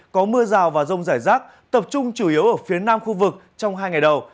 có mưa rào và rông rải rác tập trung chủ yếu ở phía nam khu vực trong hai ngày đầu